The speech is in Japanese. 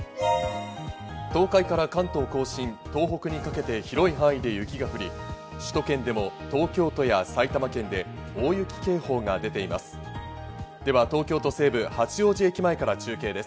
東海から関東甲信、東北にかけて広い範囲で雪が降り、首都圏でも東京都や埼玉県で大雪警報が出ています。